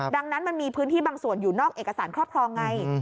ดังนั้นมันมีพื้นที่บางส่วนอยู่นอกเอกสารครอบครองไง